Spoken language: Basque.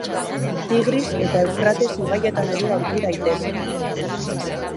Tigris eta Eufrates ibaietan ere aurki daitezke.